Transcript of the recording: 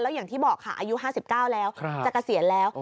อย่างที่บอกค่ะอายุ๕๙แล้วจะเกษียณแล้ว